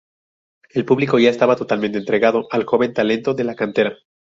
El público ya estaba totalmente entregado al joven talento de la cantera.